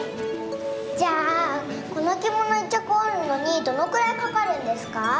じゃあこのきもの１ちゃくおるのにどのくらいかかるんですか？